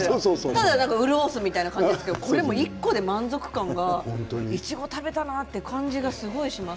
ただ潤すみたいな感じですけどこれは１個で満足感がいちごを食べたなって感じがすごいします。